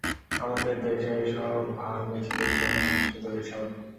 আমাদের দেশে এখন ভারমিচেল্লির চেহারার মেশিনে তৈরি সেমাই প্যাকেটজাত অবস্থায় পাওয়া যায়।